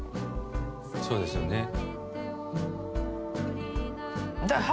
そうですよね。